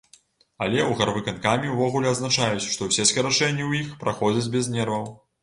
Але ў гарвыканкаме ўвогуле адзначаюць, што ўсе скарачэнні ў іх праходзяць без нерваў.